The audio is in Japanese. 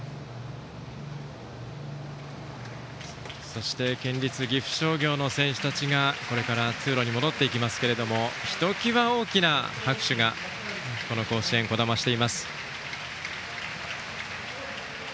そして県立岐阜商業の選手たちがこれから通路に戻っていきますけれどもひときわ大きな拍手が甲子園にこだましています。